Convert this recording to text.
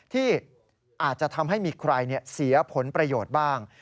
ที่อาจจะทำให้มีใครเสียผลประโยชน์บ้าง